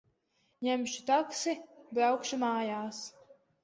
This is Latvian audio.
Ņemšu taksi. Braukšu mājās.